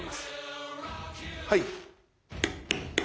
はい。